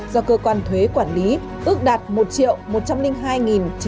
do cơ quan thuế quản lý ước đạt một một trăm linh hai chín trăm ba mươi một tỷ đồng